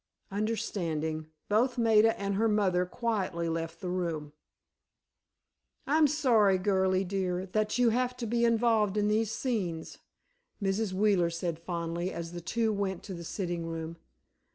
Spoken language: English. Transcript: Understanding, both Maida and her mother quietly left the room. "I'm sorry, girlie dear, that you have to be involved in these scenes," Mrs. Wheeler said fondly, as the two went to the sitting room.